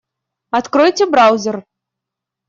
Откройте браузер.